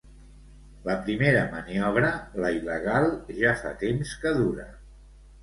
La primera maniobra, la il·legal, ja fa temps que dura.